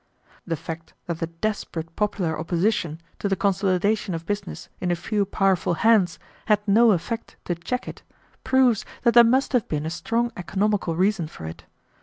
"The fact that the desperate popular opposition to the consolidation of business in a few powerful hands had no effect to check it proves that there must have been a strong economical reason for it.